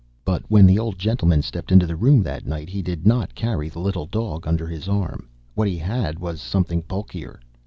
But when the old gentleman stepped into the room that night he did not carry the little dog under his arm; what he had was something bulkier.